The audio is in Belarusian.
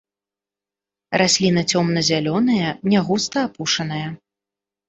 Расліна цёмна-зялёная, не густа апушаная.